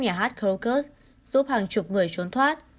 nhà hát crocus giúp hàng chục người trốn thoát